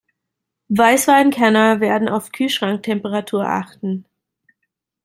Weißweinkenner werden auf Kühlschranktemperatur achten.